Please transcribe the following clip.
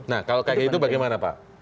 nah kalau kayak itu bagaimana pak